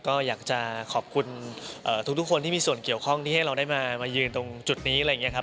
ก็อยากจะขอบคุณทุกคนที่มีส่วนเกี่ยวข้องที่ให้เราได้มายืนตรงจุดนี้อะไรอย่างนี้ครับ